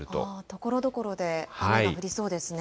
ところどころで雨が降りそうですね。